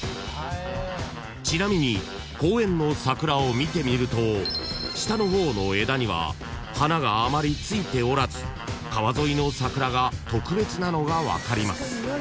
［ちなみに公園の桜を見てみると下の方の枝には花があまり付いておらず川沿いの桜が特別なのが分かります］